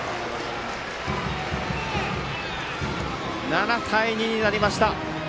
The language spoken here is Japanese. ７対２になりました。